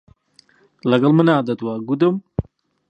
لەگەڵ منا دەدوا، گوتم: